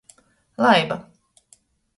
Laiba.